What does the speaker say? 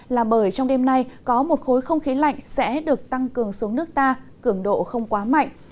là bởi trong đêm nay có một khối không khí lạnh sẽ được tăng cường xuống nước ta cường độ không quá mạnh